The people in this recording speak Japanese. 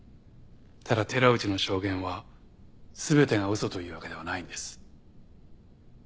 ただ寺内の証言は全てがウソというわけではないんです。